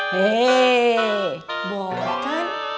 hei boleh kan